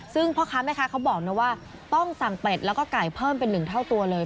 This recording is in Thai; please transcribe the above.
ซึ่งพ่อค้าแม่ค้าเขาบอกนะว่าต้องสั่งเป็ดแล้วก็ไก่เพิ่มเป็น๑เท่าตัวเลย